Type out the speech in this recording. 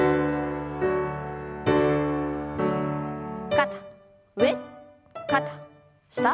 肩上肩下。